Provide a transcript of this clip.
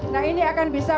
nah ini akan bisa